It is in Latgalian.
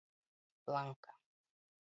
Planka.